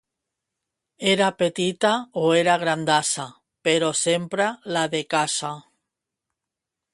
Era petita o era grandassa, però sempre la de casa.